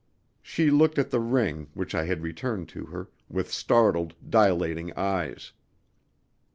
She looked at the ring, which I had returned to her, with startled, dilating eyes.